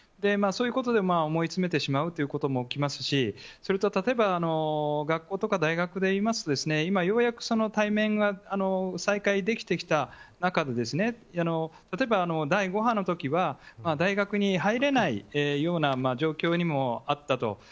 そういうことで思い詰めてしまうということも起きますし例えば、学校や大学でいいますと今、ようやく対面が再開できてきた中で例えば、第５波の時は大学に入れないような状況にもあったと。